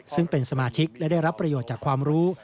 ซึ่งเป็นสมาชิกและได้รับประโยชน์จากความรู้